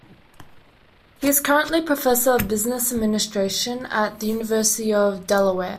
He is currently professor of business administration at the University of Delaware.